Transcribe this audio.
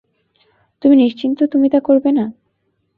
তুমি নিশ্চিত তুমি তা করবে না?